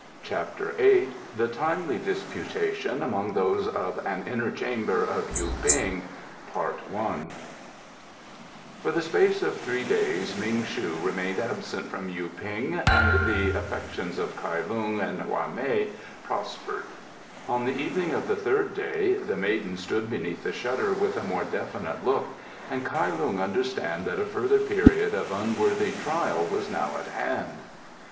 CHAPTER VIII The Timely Disputation among Those of an Inner Chamber of Yu ping For the space of three days Ming shu remained absent from Yu ping, and the affections of Kai Lung and Hwa mei prospered. On the evening of the third day the maiden stood beneath the shutter with a more definite look, and Kai Lung understood that a further period of unworthy trial was now at hand.